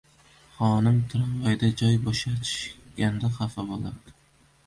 — Xonim tramvayda joy bo‘shatishganda xafa bo‘lardi.